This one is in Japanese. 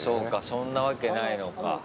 そんなわけないのか。